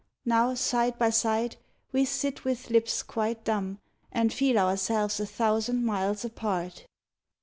Now side by side we sit with lips quite dumb, And feel ourselves a thousand miles apart.